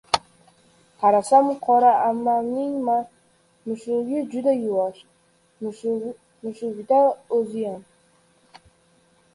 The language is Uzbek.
Qarasam, «Qora ammam»- ning mushugi! Juda yuvosh mushuk-da, o‘ziyam!